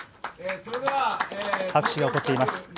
拍手が起こっています。